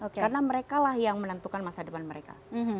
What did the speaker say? karena mereka lah yang menentukan masa depan mereka